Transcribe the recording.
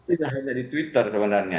tidak hanya di twitter sebenarnya